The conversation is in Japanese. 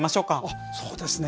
あっそうですね。